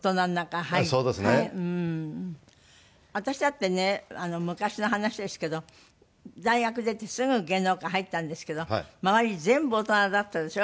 私だってね昔の話ですけど大学出てすぐ芸能界入ったんですけど周り全部大人だったでしょ。